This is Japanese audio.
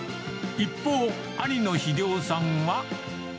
一方、兄の英夫さんは。